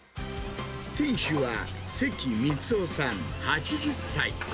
店主は関光雄さん８０歳。